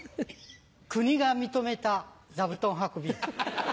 国が認めた座布団運び。